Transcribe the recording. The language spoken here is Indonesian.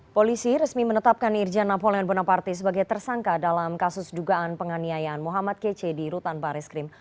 polisi resmi menetapkan irjana polen bonaparte sebagai tersangka dalam kasus dugaan penganiayaan muhammad kece di rutan bareskrim